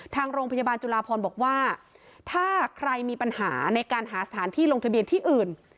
ทางโรงพยาบาลจุลาพรบอกว่าถ้าใครมีปัญหาในการหาสถานที่ลงทะเบียนที่อื่น